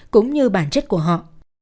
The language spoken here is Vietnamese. cũng như bản chất của họ